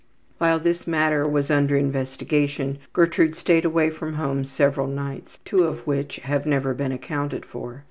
While this matter was under investigation Gertrude stayed away from home several nights, two of which have never been accounted for.